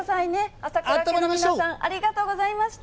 朝倉家の皆さん、ありがとうございました。